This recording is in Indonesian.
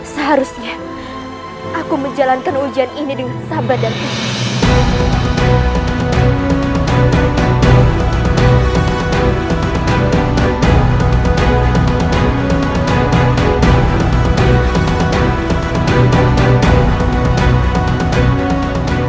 seharusnya aku menjalankan ujian ini dengan sabar dan hukum